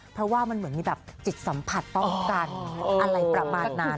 เพราะว่ามันเหมือนมีแบบจิตสัมผัสป้องกันอะไรประมาณนั้น